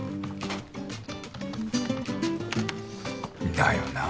だよなぁ。